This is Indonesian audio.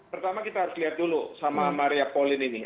pertama kita harus lihat dulu sama maria polin ini